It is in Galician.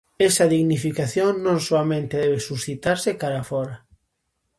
Esa dignificación non soamente debe suscitarse cara a fóra.